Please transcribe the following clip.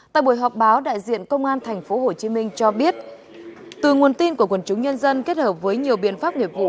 tại buổi họp báo đại diện công an tp hcm cho biết từ nguồn tin của quần chúng nhân dân kết hợp với nhiều biện pháp nghiệp vụ